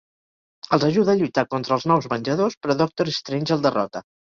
Els ajuda a lluitar contra els Nous Venjadors, però Doctor Strange el derrota.